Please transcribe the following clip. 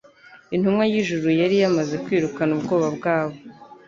Intumwa y'ijuru yari yamaze kwirukana ubwoba bwabo.